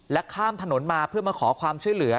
ข้ามถนนมาเพื่อมาขอความช่วยเหลือ